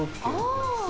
あ。